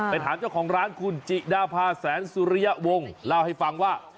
ถามเจ้าของร้านคุณจิดาพาแสนสุริยะวงเล่าให้ฟังว่า